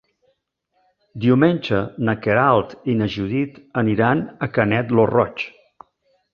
Diumenge na Queralt i na Judit aniran a Canet lo Roig.